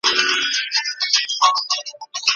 ټولنه تل د اوښتون په حال کي ده.